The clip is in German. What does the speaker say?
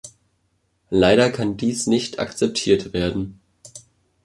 Leider kann dies nicht akzeptiert werden.